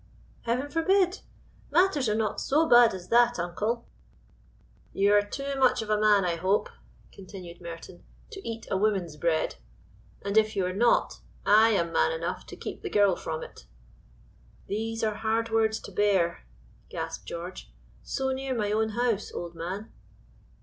"Heaven forbid! Matters are not so bad as that, uncle." "You are too much of a man, I hope," continued Merton, "to eat a woman's bread; and if you are not, I am man enough to keep the girl from it." "These are hard words to bear," gasped George. "So near my own house, old man."